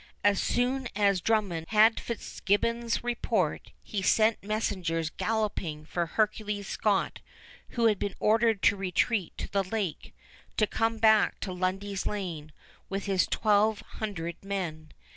As soon as Drummond had Fitzgibbons' report, he sent messengers galloping for Hercules Scott, who had been ordered to retreat to the lake, to come back to Lundy's Lane with his twelve hundred men.